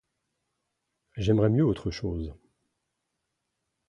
J'aimerais mieux autre chose.